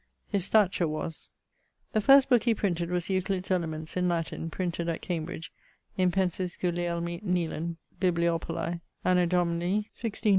His stature was.... The first booke he printed was Euclid's Elements in Latin, printed at Cambridge, impensis Gulielmi Nealand, bibliopolae, Anno Domini MDCLV.